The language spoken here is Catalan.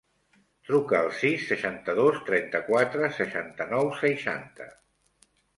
Truca al sis, seixanta-dos, trenta-quatre, seixanta-nou, seixanta.